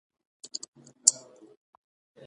حیوانات خپل غږ لري.